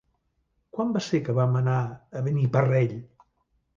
Quan va ser que vam anar a Beniparrell?